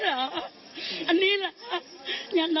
เลี้ยง